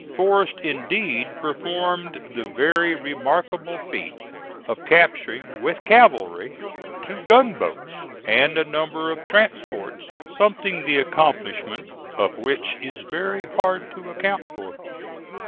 Forrest indeed performed the very remarkable feat of capturing, with cavalry, two gunboats and a number of transports, something the accomplishment of which is very hard to account for.